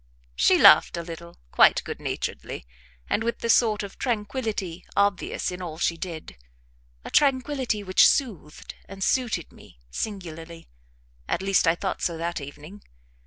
She laughed a little, quite good naturedly, and with the sort of tranquillity obvious in all she did a tranquillity which soothed and suited me singularly, at least I thought so that evening.